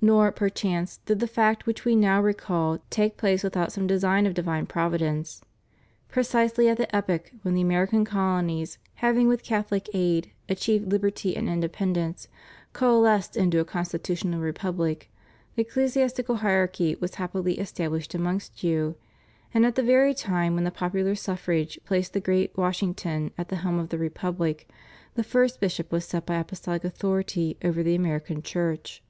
Nor, perchance, did the fact which We now recall take place without some design of divine Providence. Pre cisely at the epoch when the American colonies, having, with Catholic aid, achieved Hberty and independence, coalesced into a constitutional Republic the ecclesiastical hierarchy was happily established amongst you; and at the very time when the popular suffrage placed the great Washington at the helm of the Republic, the first bishop was set by apostolic authority over the American Church.